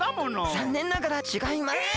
ざんねんながらちがいますえ！